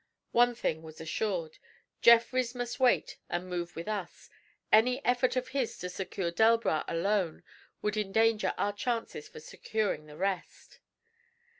One thing was assured; Jeffrys must wait and move with us; any effort of his to secure Delbras alone would endanger our chances for securing the rest.